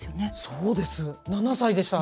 そうです。